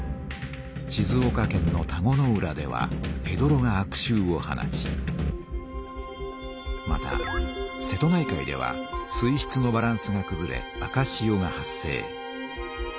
静岡県の田子の浦ではへどろが悪しゅうを放ちまた瀬戸内海では水しつのバランスがくずれ赤しおが発生。